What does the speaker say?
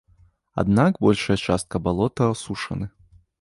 Аднак большая частка балотаў асушаны.